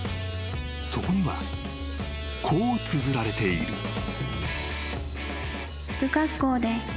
［そこにはこうつづられている］